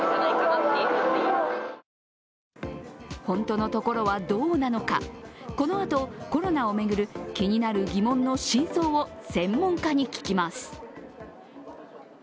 本当のところはどうなのか、このあと、コロナを巡る気になる疑問の真相を専門家に聞きます。